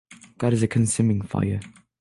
God is a Consuming Fire